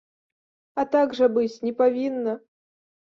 А так жа быць не павінна!